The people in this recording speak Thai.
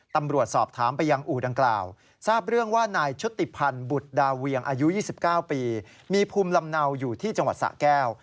ตำรวจสอบถามไปยังอู่ดังกล่าวทราบเรื่องว่านายชุติพันธ์บุตรดาเวียงอายุ๒๙ปีมีภูมิลำเนาอยู่ที่จังหวัดสะแก้ว